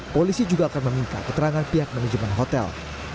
polisi juga akan meminta keterangan pihak manajemen hotel